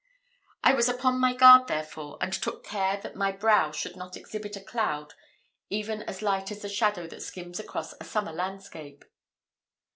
I was upon my guard, therefore, and took care that my brow should not exhibit a cloud even as light as the shadow that skims across a summer landscape.